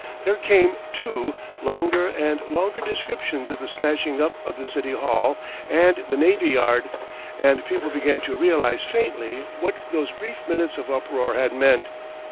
There came, too, longer and longer descriptions of the smashing up of the City Hall and the Navy Yard, and people began to realise faintly what those brief minutes of uproar had meant.